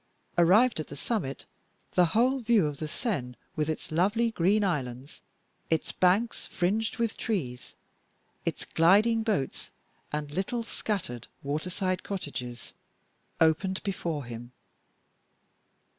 Arrived at the summit, the whole view of the Seine, with its lovely green islands, its banks fringed with trees, its gliding boats, and little scattered water side cottages, opened before him.